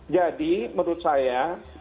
jadi menurut saya